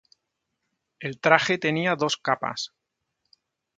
El traje tenía dos capas.